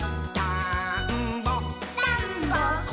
「たんぼっ！」